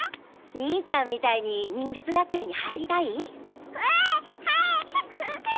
兄ちゃんみたいに忍術学園に入りたい？わはふっ！